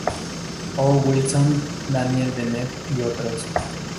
O. Wilson, Daniel Dennett y otros.